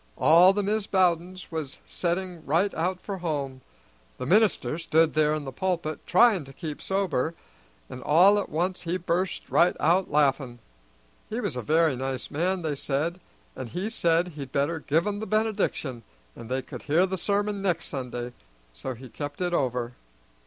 All the Mis' Bowdens was setting right out for home; the minister stood there in the pulpit tryin' to keep sober, an' all at once he burst right out laughin'. He was a very nice man, they said, and he said he'd better give 'em the benediction, and they could hear the sermon next Sunday, so he kept it over.